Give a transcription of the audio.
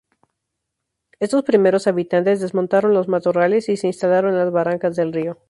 Estos primeros habitantes desmontaron los matorrales y se instalaron en las barrancas del río.